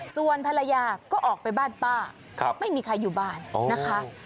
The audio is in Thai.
ส่วนภรรยาก็ออกไปบ้านป้าไม่มีใครอยู่บ้านนะคะ